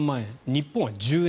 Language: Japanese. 日本は１０円。